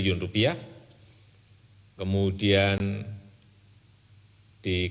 dengan total nilai kurang lebih sepuluh dua triliun